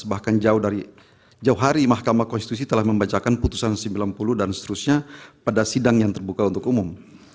bahkan jauh dari jauh hari mahkamah konstitusi telah membacakan putusan sembilan puluh dan seterusnya pada sidang yang terbuka untuk umum